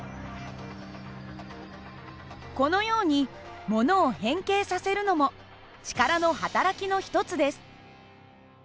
このようにものを変形させるのも力のはたらきの一つです。